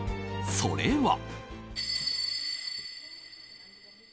それは。